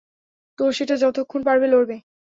তো, সেটা যতক্ষণ পারবে লড়বে।